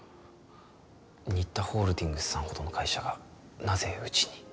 新田ホールディングスさんほどの会社がなぜうちに？